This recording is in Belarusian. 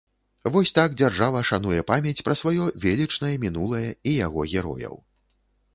Вось так дзяржава шануе памяць пра сваё велічнае мінулае і яго герояў.